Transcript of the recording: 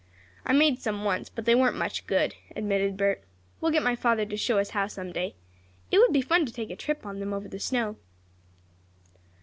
"I made some once, but they weren't much good," admitted Bert. "We'll get my father to show us how some day. It would be fun to take a trip on them over the snow."